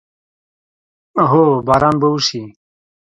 هو، باران به وشي